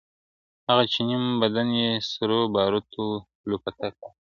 هغه چي نيم بدن يې سرو باروتو لولپه کړ